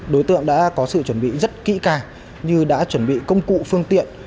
đối tượng đã có sự chuẩn bị rất kỹ cà như đã chuẩn bị công cụ phương tiện